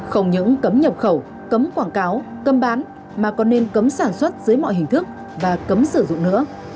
không những cấm nhập khẩu cấm quảng cáo cấm bán mà còn nên cấm sản xuất dưới mọi hình thức và cấm sử dụng nữa